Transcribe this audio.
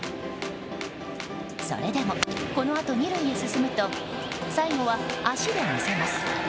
それでも、このあと２塁へ進むと最後は足で見せます。